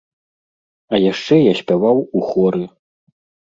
А яшчэ я спяваў у хоры.